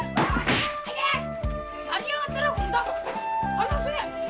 離せ！